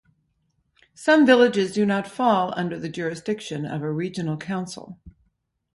Some villages do not fall under the jurisdiction of a regional council.